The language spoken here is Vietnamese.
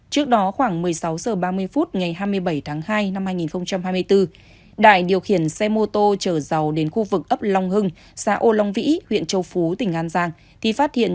trước đó khoảng một mươi sáu giờ ba mươi phút ngày hai mươi bảy tháng hai năm hai nghìn hai mươi bốn đại điều khiển xe mô tô chở giàu đến khu vực ấp long hưng xã ô long vĩ huyện châu phú tỉnh an giang